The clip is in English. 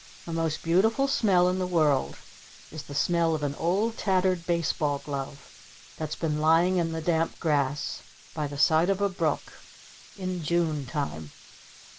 The most beautiful smell in the world is the smell of an old tattered baseball glove that's been lying in the damp grass by the side of a brook in June Time.